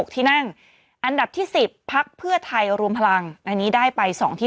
ที่นั่งอันดับที่๑๐พักเพื่อไทยรวมพลังอันนี้ได้ไป๒ที่